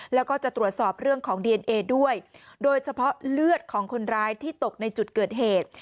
แล้วก็จะตรวจสอบเรื่องของดีเอนเอด้วยโดยเฉพาะเลือดของคนร้ายที่ตกในจุดเกิดเหตุ